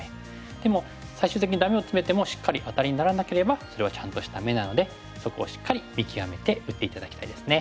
でも最終的にダメをつめてもしっかりアタリにならなければそれはちゃんとした眼なのでそこをしっかり見極めて打って頂きたいですね。